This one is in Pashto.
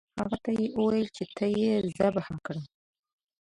هغه ته ئې وويل، چي ته ئې ذبح کړه